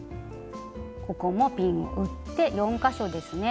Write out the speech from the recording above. ここもピンを打って４か所ですね。